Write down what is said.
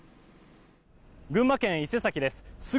群馬県伊勢崎です。